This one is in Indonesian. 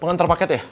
pengantar paket ya